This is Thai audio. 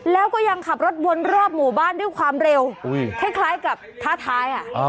แล้วก็ยังขับรถวนรอบหมู่บ้านด้วยความเร็วคล้ายกับท้าท้าย